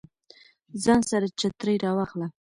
ځان سره چترۍ راواخله